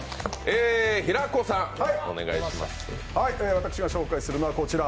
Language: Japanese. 私が紹介するのはこちら。